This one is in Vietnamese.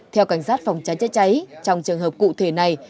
theo cảnh sát phòng cháy chữa cháy trong trường hợp cụ thể này